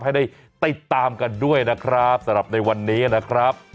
ให้ได้ติดตามกันด้วยนะครับสำหรับในวันนี้นะครับ